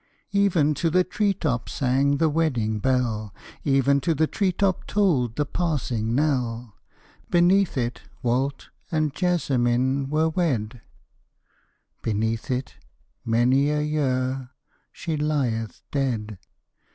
_ Even to the tree top sang the wedding bell; Even to the tree top tolled the passing knell. Beneath it Walt and Jessamine were wed; Beneath it many a year she lieth dead!